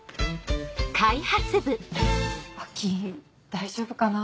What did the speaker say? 亜季大丈夫かな？